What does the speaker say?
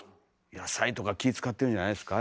野菜とか気ぃ遣ってるんじゃないですか？